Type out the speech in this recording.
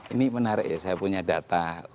ini menarik ya saya punya data untuk itu